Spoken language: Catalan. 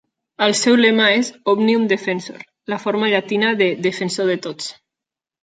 El seu lema és "Omnium Defensor", la forma llatina de "Defensor de tots".